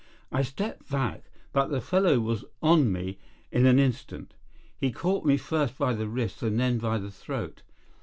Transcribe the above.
I stepped back, but the fellow was on me in an instant. He caught me first by the wrist and then by the throat.